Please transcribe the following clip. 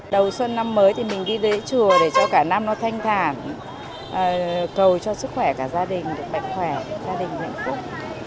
đầu xuân năm mới thì mình đi lễ chùa để cho cả năm nó thanh thản cầu cho sức khỏe cả gia đình bệnh khỏe gia đình hạnh phúc